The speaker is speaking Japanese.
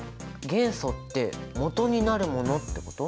元素ってもとになるものってこと？